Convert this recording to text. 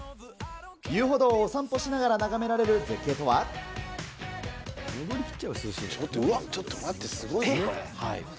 遊歩道をお散歩しながら眺められちょっと待って、すごいよ、これ。